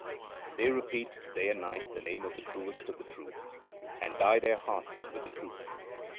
They repeat day and night the name of the Truest of the true, and dye their hearts with the truth.